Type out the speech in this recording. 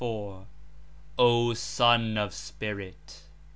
[K] O Son of Spirit